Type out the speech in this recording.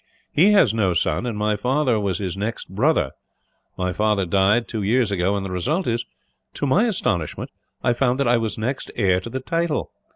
He has no son, and my father was his next brother. My father died, two years ago; and the result is that, to my astonishment, I found that I was next heir to the title.